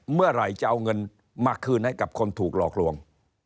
เมื่อไหร่จะเอาเงินมาคืนให้กับคนถูกหลอกลวง